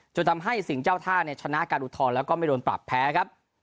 จนทำให้สิ่งเจ้าท่าเนี่ยชนะการอุทธรณ์แล้วก็ไม่โดนปรับแพ้ครับ